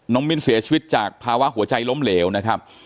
มิ้นเสียชีวิตจากภาวะหัวใจล้มเหลวนะครับ